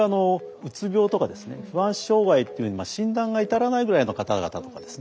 うつ病とか不安障害というふうに診断が至らないぐらいの方々とかですね。